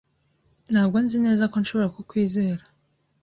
Ntabwo nzi neza ko nshobora kukwizera.